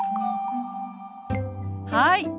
はい。